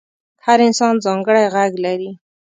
هر انسان ځانګړی غږ لري.